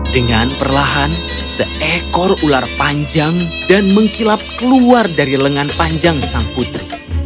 dengan perlahan seekor ular panjang dan mengkilap keluar dari lengan panjang sang putri